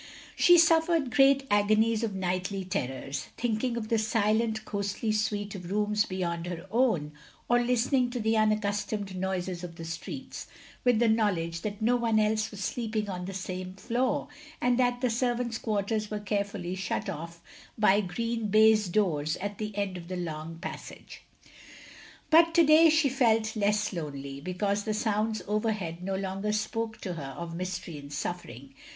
She suffered great agonies of nightly terrors; thinking of the silent ghostly suite of rooms beyond her own, or listening to the unaccustomed noises of the streets ; with the knowledge that no one else was sleeping on the same floor, and that the servants* quarters were carefully shut off by green baize doors at the end of the long passage. But to day she felt less lonely, because the sounds overhead no longer spoke to her of mystery and suffering.